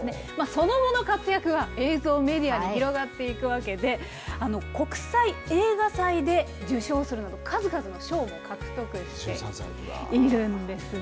その後の活躍は映像、メディアに広がっていくわけで、国際映画祭で受賞するなど、数々の賞も獲得しているんですね。